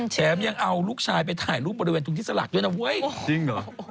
แถมยังเอาลูกชายไปถ่ายรูปบริเวณตรงที่สลักด้วยนะเว้ยจริงเหรอ